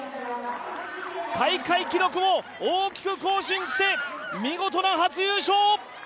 大会記録を大きく更新して、見事な初優勝。